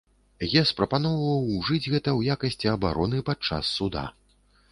Гес прапаноўваў ужыць гэта ў якасці абароны пад час суда.